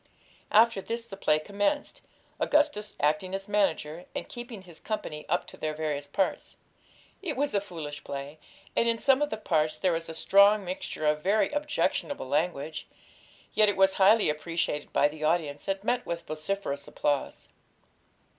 After this the play commenced, Augustus acting as manager, and keeping his company up to their various parts. It was a foolish play, and in some of the parts there was a strong mixture of very objectionable language; yet it was highly appreciated by the audience, and met with vociferous applause.